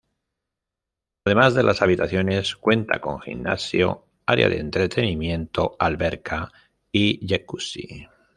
Ademas de las habitaciones, cuenta con gimnasio, área de entretenimiento, alberca y jacuzzi.